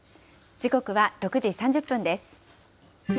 時刻は６時３０分です。